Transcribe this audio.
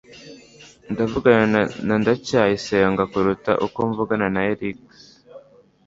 ndavugana na ndacyayisenga kuruta uko mvugana na alice